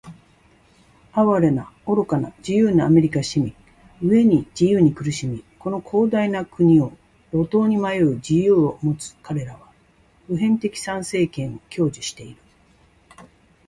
哀れな、愚かな、自由なアメリカ市民！飢えに「自由」に苦しみ、この広大な国を路頭に迷う「自由」を持つかれらは、普遍的参政権を享受している。